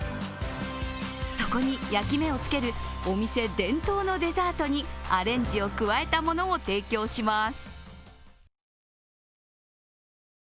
そこに焼き目をつけるお店伝統のデザートにアレンジを加えたものを提供します。